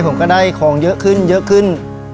ผมก็ได้ของเยอะขึ้นเยอะขึ้น